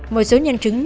một số nhân chứng